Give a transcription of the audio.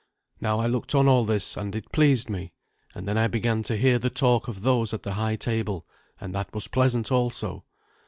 Now I looked on all this, and it pleased me; and then I began to hear the talk of those at the high table, and that was pleasant also.